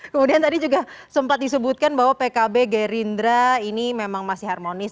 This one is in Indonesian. kemudian tadi juga sempat disebutkan bahwa pkb gerindra ini memang masih harmonis